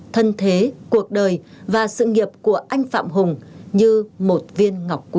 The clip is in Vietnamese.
thân thế cuộc đời và sự nghiệp của anh phạm hùng như một viên ngọc quốc